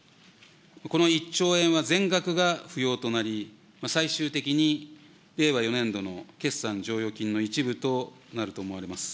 この１兆円は全額が不要となり、最終的に令和４年度の決算剰余金の一部となると思われます。